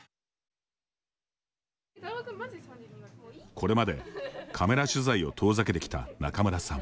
これまでカメラ取材を遠ざけてきた仲邑さん。